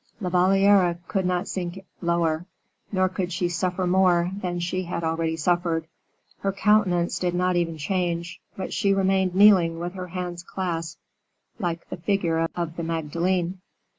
La Valliere could not sink lower, nor could she suffer more than she had already suffered. Her countenance did not even change, but she remained kneeling with her hands clasped, like the figure of the Magdalen.